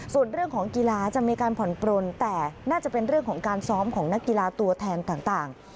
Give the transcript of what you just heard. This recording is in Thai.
ส่วนเรื่องของกีฬาจะมีการผ่อนปลนแต่น่าจะเป็นเรื่องของการซ้อมของนักกีฬาตัวแทนต่าง